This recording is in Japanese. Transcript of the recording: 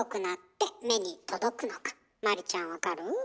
麻里ちゃん分かる？